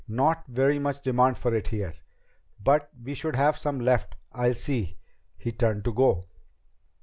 "Not very much demand for it here. But we should have some left. I'll see." He turned to go.